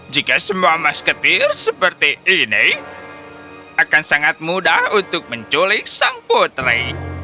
jika semua masketir seperti ini akan sangat mudah untuk menculik sang putri